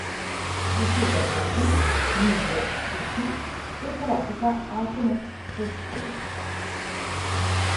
Risiede a Brooklyn, New York City, e pratica Ultimate Frisbee.